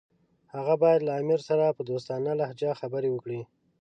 هغه باید له امیر سره په دوستانه لهجه خبرې وکړي.